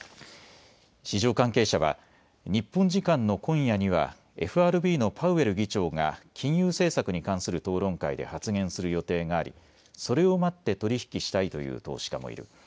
市場関係者は日本時間の今夜にはＦＲＢのパウエル議長が金融政策に関する討論会で発言する予定がありそれを待って取り引きしたいという投資家もいる。